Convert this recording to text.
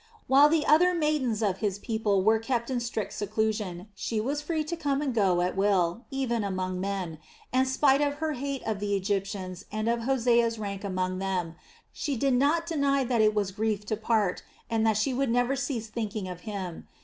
While the other maidens of his people were kept in strict seclusion, she was free to come and go at will, even among men, and spite of her hate of the Egyptians and of Hosea's rank among them, she did not deny that it was grief to part and that she would never cease thinking of him.